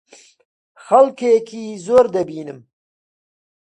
خەڵکێکی زۆر دەبینم.